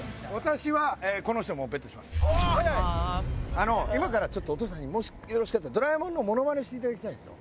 あの今からちょっとお父さんもしよろしかったらドラえもんのモノマネしていただきたいんですよ。